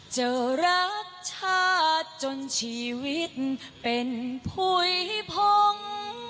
จะรักชาติจนชีวิตเป็นผู้ยพงศ์